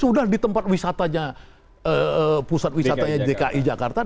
sudah di tempat wisatanya pusat wisatanya dki jakarta